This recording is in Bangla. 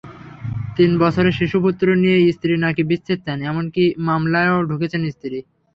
তিন বছরের শিশুপুত্র নিয়ে স্ত্রী নাকি বিচ্ছেদ চান, এমনকি মামলাও ঠুকেছেন স্ত্রী।